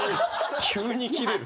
急にキレる。